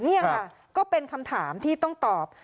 นี่ค่ะก็เป็นคำถามที่ต้องตอบ